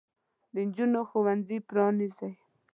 د نجونو ښوونځي پرانیزئ.